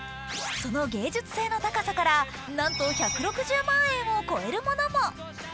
その芸術性の高さから、なんと１６０万円を超えるものも。